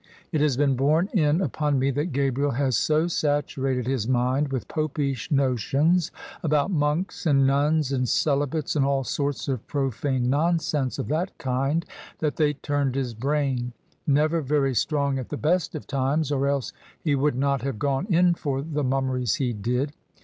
It has been borne in upon me that Gabriel had so saturated his mind with Popish notions about monks and nuns and celibates and all sorts of profane nonsense of that kind, that they turned his brain — ^never very strong at the best of times, or else he would not have gone in for the mummeries he did.